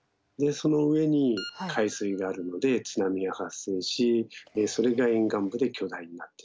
その上に海水があるので津波が発生しそれが沿岸部で巨大になってしまう。